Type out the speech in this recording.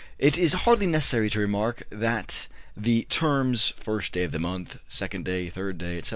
It is hardly necessary to remark that the terms "first day of the month," "second day," "third day," etc.